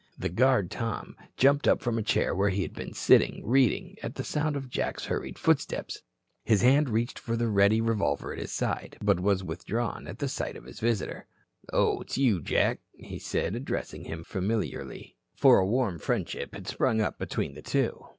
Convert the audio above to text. The guard, Tom, jumped up from a chair where he had been sitting, reading, at the sound of Jack's hurried footsteps. His hand reached for the ready revolver at his side, but was withdrawn at sight of his visitor. "Oh, it's you, Jack," he said, addressing him familiarly, for a warm friendship had sprung up between the two.